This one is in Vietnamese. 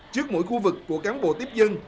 trước mỗi khu vực của cán bộ tiếp dân